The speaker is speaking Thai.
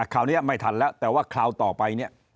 คราวนี้ไม่ทันแล้วแต่ว่าคราวต่อไปเนี่ย